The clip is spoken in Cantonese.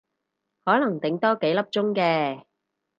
可能頂多幾粒鐘嘅